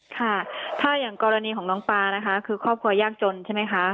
ค่ะถ้าอย่างกรณีของน้องปลานะคะคือครอบครัวยากจนใช่ไหมคะ